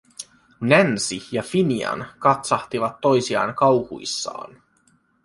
Nancy ja Finian katsahtivat toisiaan kauhuissaan.